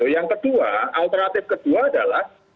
yang kedua alternatif kedua adalah